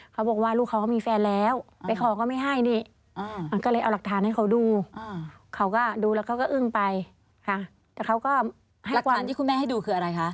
เขาบอกว่าลูกเขาก็มีแฟนแล้วไปขอก็ไม่ให้นี่